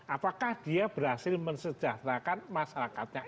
apakah dia berhasil mensejahterakan masyarakatnya